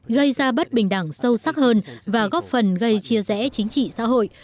gây ra bất bình đẳng sâu sắc hơn và góp phần gây chia rẽ chính trị xã hội